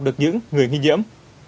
được những người nghi nhiễm